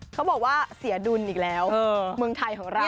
เขาบอกว่าเสียดุลอีกแล้วเมืองไทยของเรา